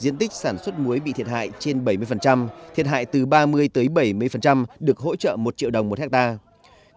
diện tích sản xuất muối bị thiệt hại trên bảy mươi thiệt hại từ ba mươi tới bảy mươi được hỗ trợ một triệu đồng một hectare